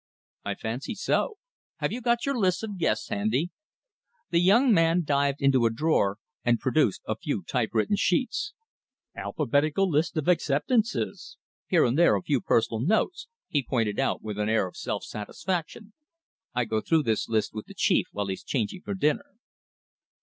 "I fancy so. Have you got your list of guests handy?" The young man dived into a drawer and produced a few typewritten sheets. "Alphabetical list of acceptances, with here and there a few personal notes," he pointed out, with an air of self satisfaction. "I go through this list with the chief while he's changing for dinner."